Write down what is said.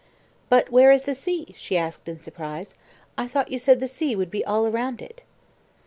"But where is the sea?" she asked in surprise. "I thought you said the sea would be all round it."